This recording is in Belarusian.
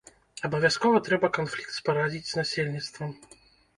Абавязкова трэба канфлікт спарадзіць з насельніцтвам.